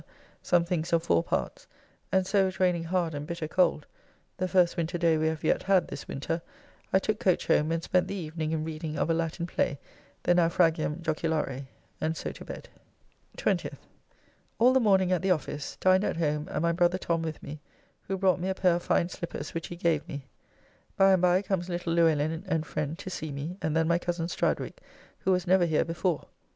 some things of four parts, and so it raining hard and bitter cold (the first winter day we have yet had this winter), I took coach home and spent the evening in reading of a Latin play, the "Naufragium Joculare." And so to bed. 20th. All the morning at the office, dined at home and my brother Tom with me, who brought me a pair of fine slippers which he gave me. By and by comes little Luellin and friend to see me, and then my coz Stradwick, who was never here before.